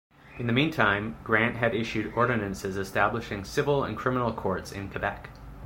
In the meantime, Grant had issued ordinances establishing civil and criminal courts in Quebec.